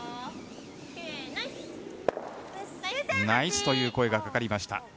ナイスという声がかかりました。